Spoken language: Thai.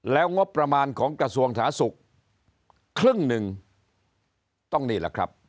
แล้วงบประมาณของกระทรวงสาธารณสุขครึ่งหนึ่งต้องนี่แหละครับ